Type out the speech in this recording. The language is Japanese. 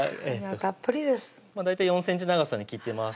たっぷりです大体４ｃｍ長さに切ってます